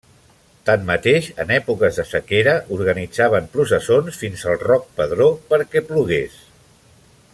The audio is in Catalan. Tanmateix, en èpoques de sequera, organitzaven processons fins al Roc Pedró perquè plogués.